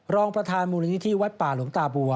รองประธานมูลนิธิวัดป่าหลวงตาบัว